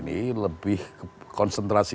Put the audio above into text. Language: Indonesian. ini lebih konsentrasi